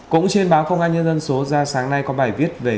cũng trên báo công an nhân dân số ra sáng nay có bài viết về